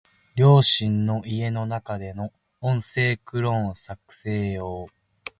両親の家の中での音声クローン作成用